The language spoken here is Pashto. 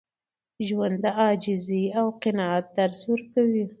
ژوند د عاجزۍ او قناعت درس ورکوي.